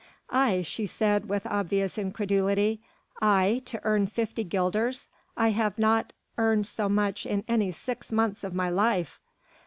"I," she said with obvious incredulity, "I to earn fifty guilders! I have not earned so much in any six months of my life."